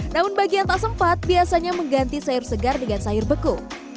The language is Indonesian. namun bagi yang tak sempat biasanya mengganti sayur segar dengan sayur beku